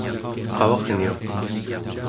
qavarniuq